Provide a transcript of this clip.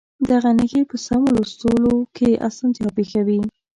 دغه نښې په سمو لوستلو کې اسانتیا پېښوي.